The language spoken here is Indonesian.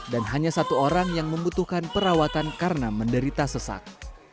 dan hanya satu orang yang membutuhkan perawatan karena menderita sesak